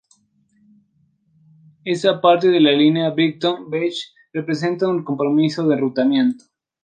Esta parte de la línea Brighton Beach representa un compromiso de enrutamiento.